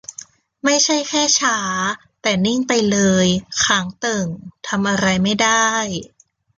ไม่ใช่แค่ช้า แต่นิ่งไปเลย ค้างเติ่ง ทำอะไรไม่ได้